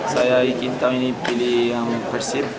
saya ingin tahun ini pilih persib